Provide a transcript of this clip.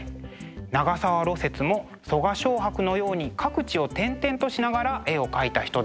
長沢雪も我蕭白のように各地を転々としながら絵を描いた人ですね。